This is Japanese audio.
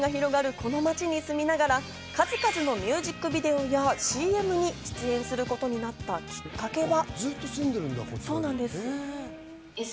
この街に住みながら数々のミュージックビデオやＣＭに出演することになったきっかけは。